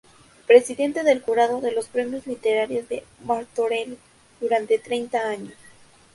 Presidente del jurado de los Premios Literarios de Martorell durante treinta años.